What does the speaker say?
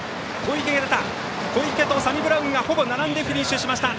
小池とサニブラウンがほぼ並んでフィニッシュしました。